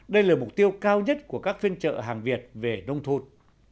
đây là mục tiêu cao nhất của các phiên trợ hàng việt về nông thôn